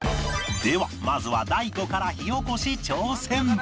ではまずは大悟から火起こし挑戦